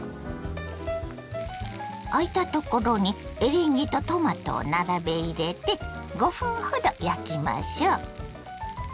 あいたところにエリンギとトマトを並べ入れて５分ほど焼きましょ。